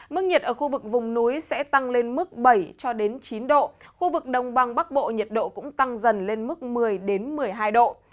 mức nhiệt ở khu vực vùng núi sẽ tăng lên mức bảy chín độ khu vực đông băng bắc bộ nhiệt độ cũng tăng dần lên mức một mươi một mươi hai độ